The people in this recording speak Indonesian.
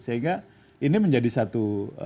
sehingga ini menjadi satu